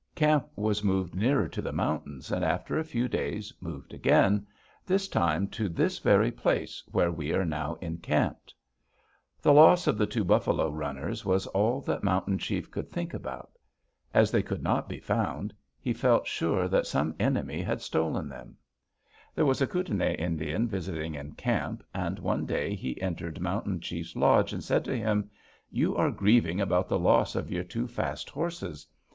Camp was moved nearer to the mountains, and after a few days moved again, this time to this very place where we are now encamped. Ah´ pai tup i (Blood People). One of the twenty four gentes of the Pi kun´ i, or "Piegan" Blackfeet. "The loss of the two buffalo runners was all that Mountain Chief could think about. As they could not be found, he felt sure that some enemy had stolen them. "There was a Kootenai Indian visiting in camp, and one day he entered Mountain Chiefs lodge, and said to him: 'You are grieving about the loss of your two fast horses.